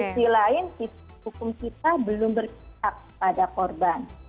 sisi lain hukum kita belum berpikir pada korban